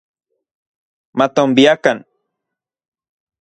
Matonbiakan